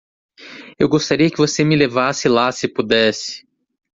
Eu gostaria que você me levasse lá se pudesse.